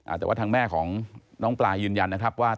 แต่ว่าทางแม่ของน้องปลายืนยันนะครับว่า